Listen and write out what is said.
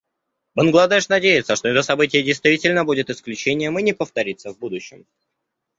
Бангладеш надеется, что это событие, действительно, будет исключением и не повторится в будущем.